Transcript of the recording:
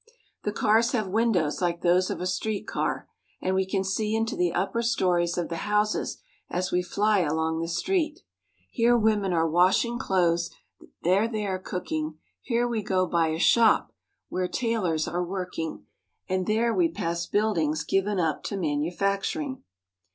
The cars have windows like those of a street car, and we can see into the upper stories of the houses as we fly along the street. Here women are washing clothes, there they are cooking ; here we go by a shop where tail 68 NEW YORK. ors are wprking, and there we pass buildings given up to manufacturing.